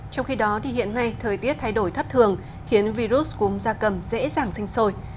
trong khi đó thì hiện nay thời tiết thay đổi thất thường khiến virus cúm da cầm dễ dàng sinh sôi